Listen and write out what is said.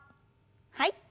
はい。